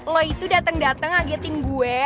lo itu dateng dateng ngagetin gue